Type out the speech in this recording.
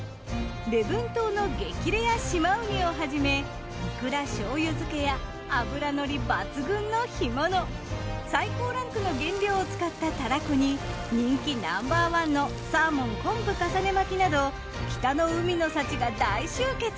礼文島の激レア島ウニをはじめイクラ醤油漬けや脂乗り抜群の干物最高ランクの原料を使ったたらこに人気ナンバーワンのサーモン昆布重ね巻など北の海の幸が大集結。